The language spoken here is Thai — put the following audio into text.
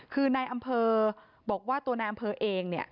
คือนายอำเภอบอกว่าตัวนายอำเภอเองเนี่ย